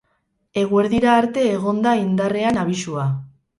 Eguerdira arte egon da indarrean abisua.